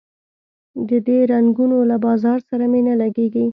د دې رنګونو له بازار سره مي نه لګیږي